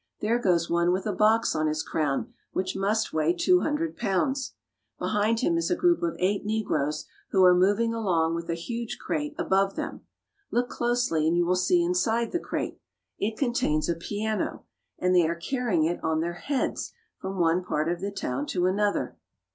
There goes one with a box on his crown which must weigh two hundred pounds. Behind him is a group of eight negroes who are moving along with a huge crate above them. Look closely and you will see inside the crate. It contains a piano, and they are carrying it on their heads from one part of the town to another.